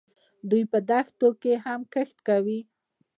دوی په دښتو کې هم کښت کوي.